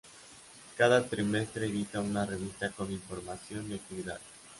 Cada trimestre edita una revista con información y actividades.